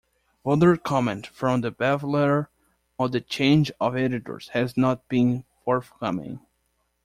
Further comment from The Baffler on the change of editors has not been forthcoming.